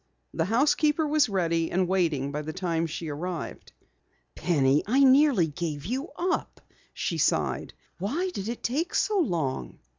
The housekeeper was ready and waiting by the time she arrived. "Penny, I nearly gave you up," she sighed. "Why did it take so long?"